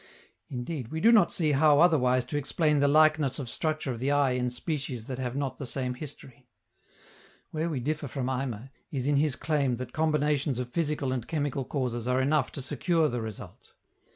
Indeed, we do not see how otherwise to explain the likeness of structure of the eye in species that have not the same history. Where we differ from Eimer is in his claim that combinations of physical and chemical causes are enough to secure the result.